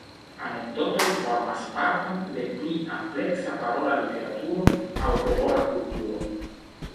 Anekdotoj formas parton de pli ampleksa parola literaturo aŭ popola kulturo.